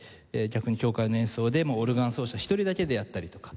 逆に教会の演奏でもオルガン奏者１人だけでやったりとか。